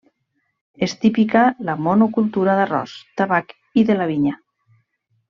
És típica la monocultura d'arròs, tabac i de la vinya.